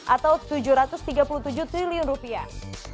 atau tujuh ratus tiga puluh tujuh triliun rupiah